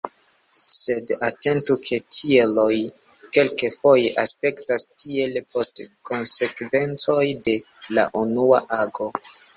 Sed atentu ke tieloj kelkfoje aspektas kiel postkonsekvencoj de la unua ago.